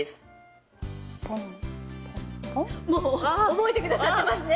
覚えてくださってますね。